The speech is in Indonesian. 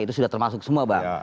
itu sudah termasuk semua bang